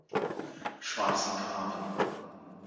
Schwarzen Graben.